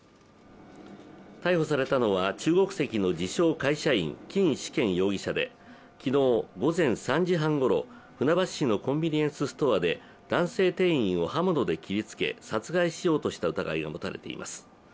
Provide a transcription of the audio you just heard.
逮捕されたのは、中国籍の自称・会社員金始賢容疑者で昨日午前３時半ごろ船橋市のコンビニエンスストアで男性店員を刃物で切りつけ殺害しようとした疑いが持たれています。